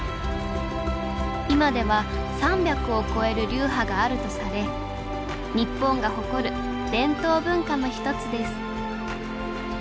今では３００を超える流派があるとされ日本が誇る伝統文化の１つです